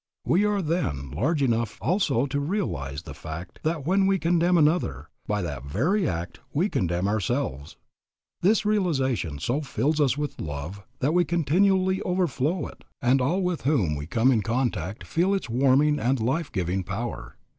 We are then large enough also to realize the fact that when we condemn another, by that very act we condemn ourselves. This realization so fills us with love that we continually overflow it, and all with whom we come in contact feel its warming and life giving power.